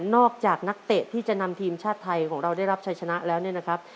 นอกจากนักเตะที่จะนำทีมชาติไทยของเราได้รับชัยชนะแล้วเนี่ยนะครับ